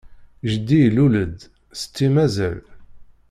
Jeddi ilul-d, setti mazal.